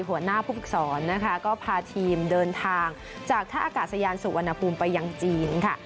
หัวหน้าผู้ฝึกศรนะคะก็พาทีมเดินทางจากท่าอากาศยานสุวรรณภูมิไปยังจีนค่ะ